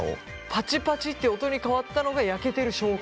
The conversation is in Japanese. パチパチって音に変わったのが焼けてる証拠？